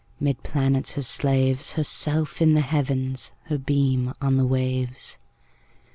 'Mid planets her slaves, Herself in the Heavens, Her beam on the waves.